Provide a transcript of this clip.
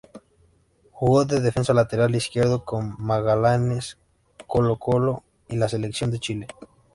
Jugó de defensa lateral izquierdo, en Magallanes, Colo-Colo y la Selección de Chile.